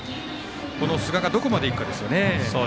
この寿賀がどこまでいくかですね。